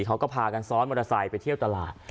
เขาก็พากันซ้อนมอเตอร์ไซค์ไปเที่ยวตลาด